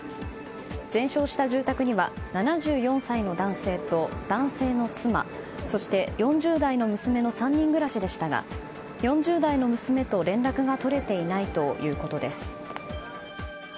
全焼した住宅には７４歳の男性と、男性の妻そして、４０代の娘の３人暮らしでしたが４０代の娘と連絡が取れていないということです。